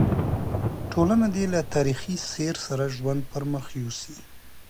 ټولنه دې له تاریخي سیر سره ژوند پر مخ یوسي.